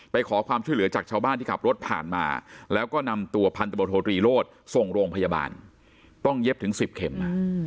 ไปขอความช่วยเหลือจากชาวบ้านที่ขับรถผ่านมาแล้วก็นำตัวพันธบทโทตรีโรธส่งโรงพยาบาลต้องเย็บถึง๑๐เข็ม